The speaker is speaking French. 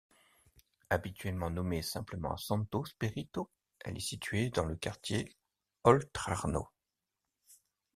Habituellement nommée simplement Santo Spirito, elle est située dans le quartier Oltrarno.